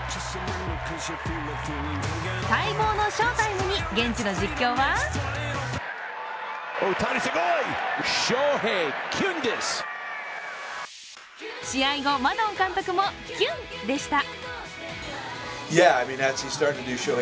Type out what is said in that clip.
待望の翔タイムに現地の実況は試合後、マドン監督もキュンでした。